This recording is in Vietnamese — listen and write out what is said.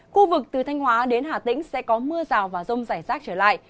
khu vực từ thanh hóa đến hà tĩnh sẽ có mưa rào và rông rải rác trở lại